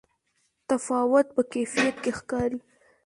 تفاوت په کیفیت کې ښکاري.